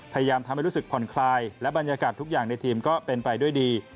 พยายามทำให้รู้สึกผ่อนคลายและบรรยากาศทุกอย่างในทีมก็เป็นไปด้วยดี